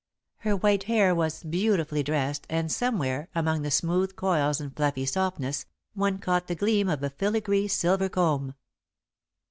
Her white hair was beautifully dressed, and somewhere, among the smooth coils and fluffy softness, one caught the gleam of a filigree silver comb.